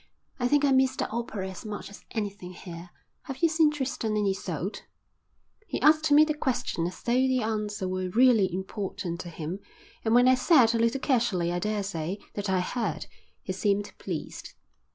"I think I miss the opera as much as anything here. Have you seen Tristan and Isolde?" He asked me the question as though the answer were really important to him, and when I said, a little casually I daresay, that I had, he seemed pleased.